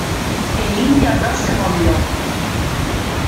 el indio no se movió.